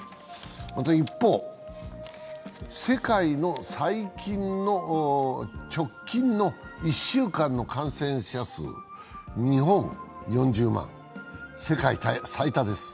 一方、世界の直近の１週間の感染者数日本４０万、世界最多です。